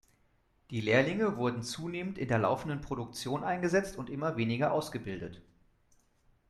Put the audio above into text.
Die Lehrlinge wurden zunehmend in der laufenden Produktion eingesetzt und immer weniger ausgebildet.